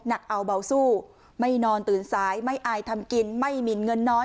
เอาเบาสู้ไม่นอนตื่นซ้ายไม่อายทำกินไม่หมินเงินน้อย